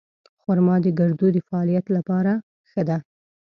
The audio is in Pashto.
خرما د ګردو د فعالیت لپاره ښه ده.